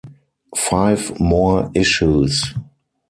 Five more issues!